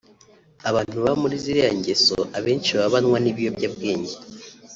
Abantu baba muri ziriya ngeso abenshi baba banywa n’ibiyobyabwenge